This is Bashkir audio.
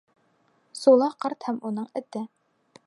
— «Сулаҡ ҡарт һәм уның эте».